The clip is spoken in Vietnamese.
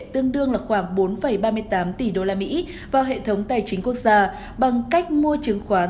tương đương là khoảng bốn ba mươi tám tỷ usd vào hệ thống tài chính quốc gia bằng cách mua chứng khoán